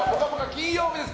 金曜日です！